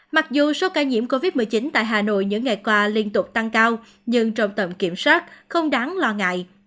mặc dù số ca nhiễm covid một mươi chín tại hà nội những ngày qua liên tục tăng cao nhưng trong tầm kiểm soát không đáng lo ngại